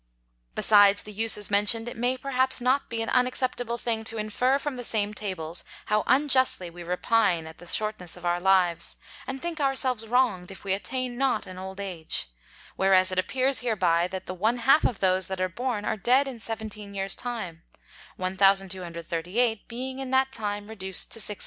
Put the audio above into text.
Besides the Uses mentioned, it may perhaps not be an unacceptable thing to infer from the same Tables, how unjustly we repine at the shortness of our Lives, and think our selves wronged if we attain not old Age; whereas it appears hereby, that the one half of those that are born are dead in Seventeen Years time, 1238 being in that time reduced to 616.